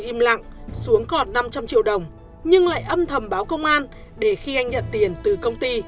im lặng xuống còn năm trăm linh triệu đồng nhưng lại âm thầm báo công an để khi anh nhận tiền từ công ty